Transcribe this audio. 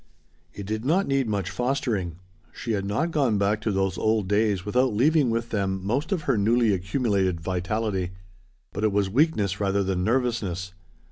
It did not need much fostering. She had not gone back to those old days without leaving with them most of her newly accumulated vitality. But it was weakness rather than nervousness.